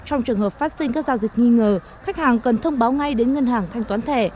trong trường hợp phát sinh các giao dịch nghi ngờ khách hàng cần thông báo ngay đến ngân hàng thanh toán thẻ